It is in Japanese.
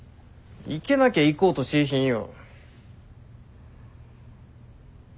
行けなきゃ行こうとしーひんよ。